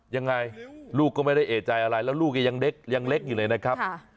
ยังไงลูกก็ไม่ได้เอกใจอะไรแล้วลูกก็ยังเล็กยังเล็กอยู่เลยนะครับ